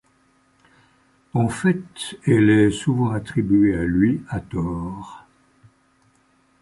En fait, elle est souvent attribuée à lui à tort.